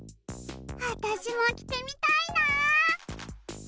あたしもきてみたいな！